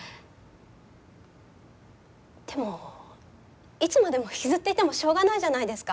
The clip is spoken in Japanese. でもいつまでも引きずっていてもしょうがないじゃないですか。